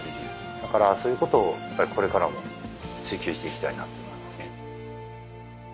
だからそういうことをやっぱりこれからも追求していきたいなと思いますね。